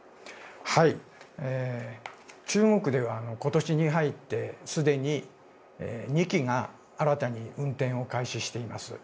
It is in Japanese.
中国では今年に入って、すでに２基が新たに運転を開始しています。